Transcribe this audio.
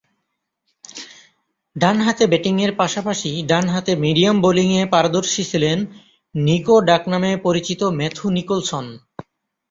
ডানহাতে ব্যাটিংয়ের পাশাপাশি ডানহাতে মিডিয়াম বোলিংয়ে পারদর্শী ছিলেন ‘নিকো’ ডাকনামে পরিচিত ম্যাথু নিকোলসন।